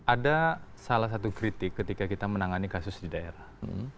ada salah satu kritik ketika kita menangani kasus di daerah